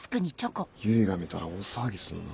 唯が見たら大騒ぎするな。